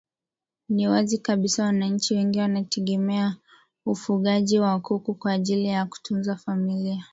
Ni wazi kabisa wananchi wengi wanategemea ufugaji wa kuku kwa ajili ya kutunza familia